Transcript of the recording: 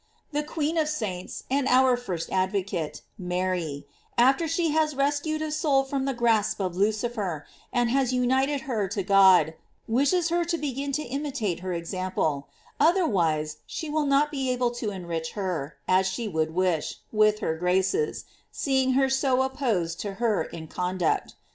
The queen of saints, and our first advocate, Mary, after she has rescued a soul from the grasp of Lucifer, and has united her to God, wishes her to begin to imitate her ex ample, otherwise she will not be able to enrich her, as she would wish, with her graces, seeing her so opposed to her in conduct.